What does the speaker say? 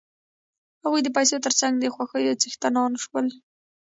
هغوی د پیسو تر څنګ د خوښیو څښتنان شول